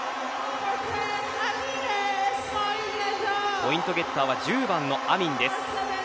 ポイントゲッターは１０番のアミンです。